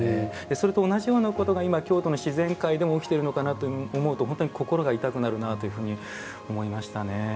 それと同じようなことが今、京都の自然界でも起きているのかなと思うと本当に心が痛くなるなというふうに思いましたね。